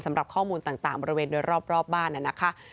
สำหรับข้อมูลต่างบริเวณรอบบ้าน